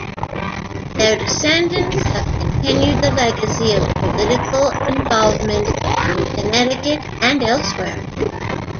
Their descendants have continued the legacy of political involvement in Connecticut and elsewhere.